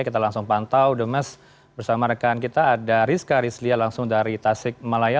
kita langsung pantau the mes bersama rekan kita ada rizka rizlia langsung dari tasik malaya